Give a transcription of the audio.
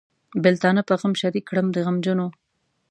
بېلتانه په غم شریک کړم د غمجنو.